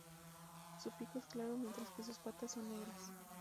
Su pico es claro mientras que sus patas son negras.